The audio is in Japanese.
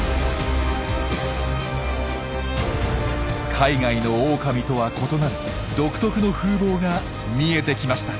海外のオオカミとは異なる独特の風貌が見えてきました。